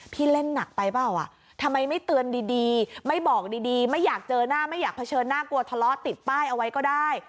เล่นหนักไปเปล่าอ่ะทำไมไม่เตือนดีไม่บอกดีไม่อยากเจอหน้าไม่อยากเผชิญหน้ากลัวทะเลาะติดป้ายเอาไว้ก็ได้